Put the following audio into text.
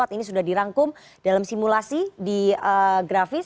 ini sudah dirangkum dalam simulasi di grafis